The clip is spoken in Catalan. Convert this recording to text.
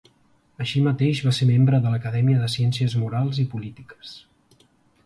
Així mateix va ser membre de l'Acadèmia de Ciències Morals i Polítiques.